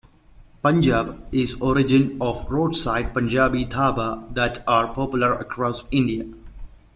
Punjab, is origin of roadside Punjabi dhaba that are popular across India.